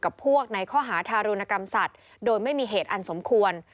กับพวกในข้อหาทารุณกรรมสัตว์โดยไม่มีเหตุอันสมควร